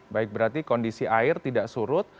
baik berarti kondisi air tidak surut